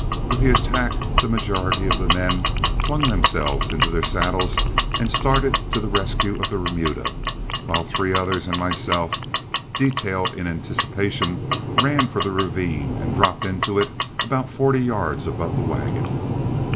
With the attack the majority of the men flung themselves into their saddles and started to the rescue of the remuda, while three others and myself, detailed in anticipation, ran for the ravine and dropped into it about forty yards above the wagon.